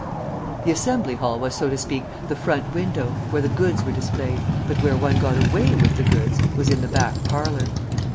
The Assembly Hall was, so to speak, the front window, where the goods were displayed, but where one got away with the goods was in the back parlour.